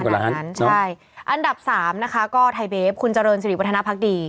ใช่อันดับ๓นะคะก็ไทยเบฟคุณเจริญสิริปวัฒนภักดี